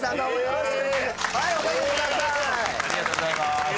ありがとうございます。